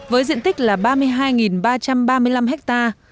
với diện tích là ba mươi hai ba trăm ba mươi năm ha